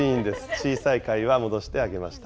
小さい貝は戻してあげました。